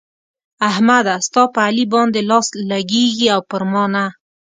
احمده! ستا په علي باندې لاس لګېږي او پر ما نه.